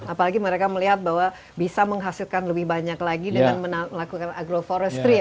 apalagi mereka melihat bahwa bisa menghasilkan lebih banyak lagi dengan melakukan agroforestry